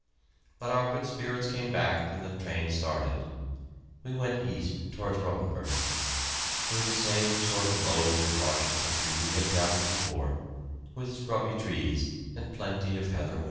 But our good spirits came back when the train started. We went east towards Rotenburg, through the same sort of low, marshy country we had travelled before, with scrubby trees and plenty of heather moor.